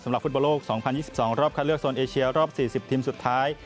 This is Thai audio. ฟุตบอลโลก๒๐๒๒รอบคัดเลือกโซนเอเชียรอบ๔๐ทีมสุดท้าย